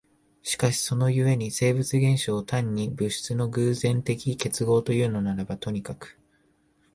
しかしその故に生物現象を単に物質の偶然的結合というのならばとにかく、